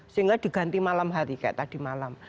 sehingga diganti malam hari kayak tadi malam